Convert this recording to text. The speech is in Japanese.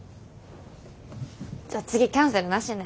じゃあ次キャンセルなしね。